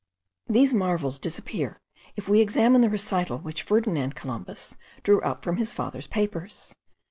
These marvels disappear, if we examine the recital which Ferdinand Columbus drew up from his father's papers.